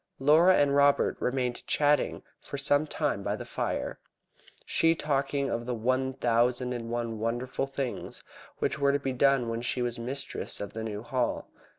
Laura and Robert remained chatting for some time by the fire, she talking of the thousand and one wonderful things which were to be done when she was mistress of the New Hall.